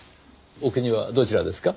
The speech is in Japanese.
お国はどちらですか？